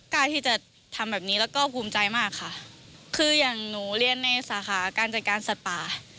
กล้าที่จะทำแบบนี้แล้วก็ภูมิใจมากค่ะคืออย่างหนูเรียนในสาขาการจัดการสัตว์ป่า